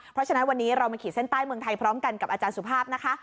เพราะฉะนั้นวันนี้เรามาขีดเส้นใต้เมืองไทยพร้อมกันกับอาจารย์สุภาพนะคะ